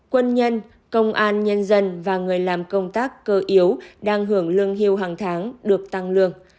quân nhân công an nhân dân và người làm công tác cơ yếu đang hưởng lương hưu hàng tháng được tăng lương